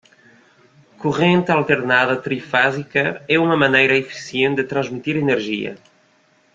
Corrente alternada trifásica é uma maneira eficiente de transmitir energia.